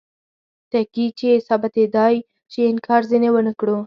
ټکي چې ثابتیدای شي انکار ځینې ونکړو.